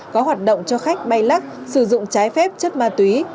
có hoạt động cho khách bay lắc sử dụng trái phép chất ma túy